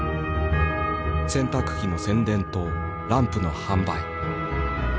洗濯機の宣伝とランプの販売。